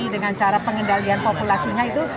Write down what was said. dengan cara pengendalian populasinya itu